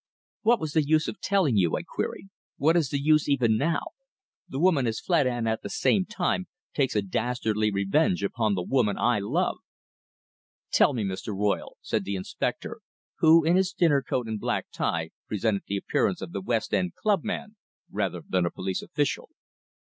"What was the use of telling you?" I queried. "What is the use even now? The woman has fled and, at the same time, takes a dastardly revenge upon the woman I love." "Tell me, Mr. Royle," said the inspector, who, in his dinner coat and black tie, presented the appearance of the West End club man rather than a police official.